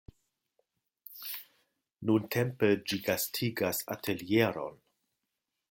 Nuntempe ĝi gastigas atelieron.